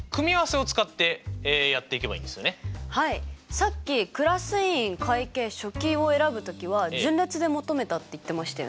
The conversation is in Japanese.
さっきクラス委員会計書記を選ぶ時は順列で求めたって言ってましたよね。